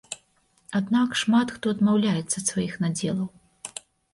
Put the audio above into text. Аднак шмат хто адмаўляецца ад сваіх надзелаў.